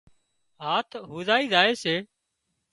هاٿ هُوزائي زائي سي